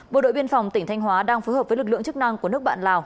bộ đội biên phòng tỉnh thanh hóa đang phối hợp với lực lượng chức năng của nước bạn lào